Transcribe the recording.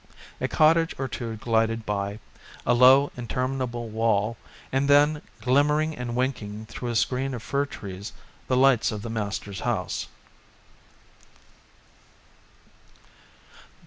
A cottage or two glided by, a low interminable wall and then, glimmering and winking through a screen of fir trees, the lights of the master's house.